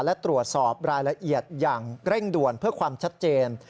และตรวจสอบรายละเอียดอย่างเร่งด่วนเพื่อความชัดเจน